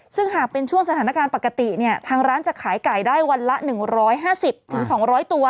ซึ่งหากเป็นช่วงสถานการณ์ปกติเนี่ยทางร้านจะขายไก่ได้วันละ๑๕๐๒๐๐ตัว